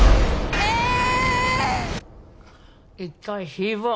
えっ？